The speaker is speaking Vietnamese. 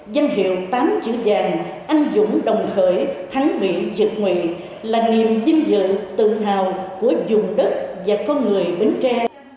danh hiệu tám chữ vàng anh dũng đồng khởi thắng mỹ diệt nguyện là niềm tin dự tự hào của dùng đất và con người bến tre